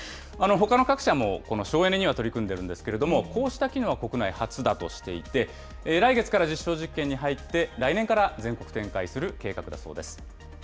ほかの各社も、この省エネには取り組んでいるんですけれども、こうした機能は国内初だとしていて、来月から実証実験に入って来年から全国展開する計画だそうです。